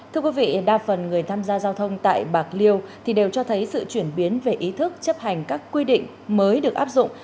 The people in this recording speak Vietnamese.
thưa quý vị đa phần người tham gia giao thông tại bạc liêu thì đều cho thấy sự chuyển biến về ý thức chấp hành các quy định mới được áp dụng